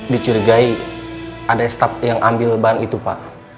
dicurigai ada staff yang ambil ban itu pak